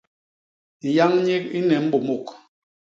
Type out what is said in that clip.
Nyañ nyik i nne mbômôk.